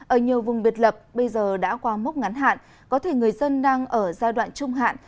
ở nhiều vùng biệt lập bây giờ đã qua mốc ngắn hạn có thể người dân đang ở giai đoạn trung hạn